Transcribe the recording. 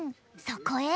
そこへ。